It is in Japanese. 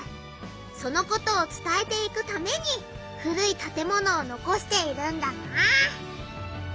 そのことを伝えていくために古い建物を残しているんだな。